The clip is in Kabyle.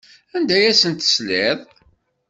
Anda ay asen-tesliḍ?